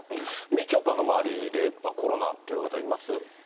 みちょぱの周りで、コロナって方います？